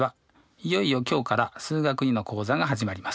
いよいよ今日から「数学Ⅱ」の講座が始まります。